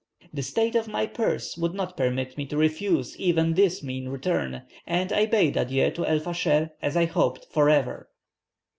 The state of my purse would not permit me to refuse even this mean return, and I bade adieu to El Fascher as I hoped for ever."